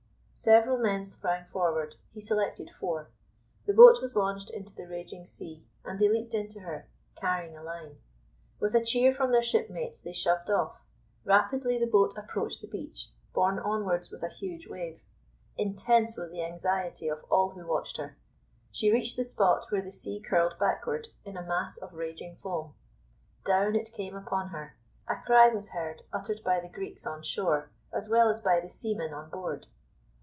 Several men sprang forward; he selected four. The boat was launched into the raging sea, and they leaped into her, carrying a line. With a cheer from their shipmates they shoved off. Rapidly the boat approached the beach, borne onward with a huge wave. Intense was the anxiety of all who watched her. She reached the spot where the sea curled backward in a mass of raging foam. Down it came upon her. A cry was heard uttered by the Greeks on shore, as well as by the seamen on board.